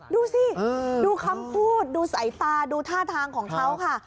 ดูสิดูคำพูดดูสายตาดูท่าทางของเขาค่ะ